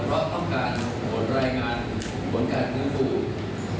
เพราะต้องการผลรายงานผลการนึกภูมิ